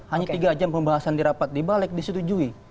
hanya tiga jam pembahasan dirapat di baleg disetujui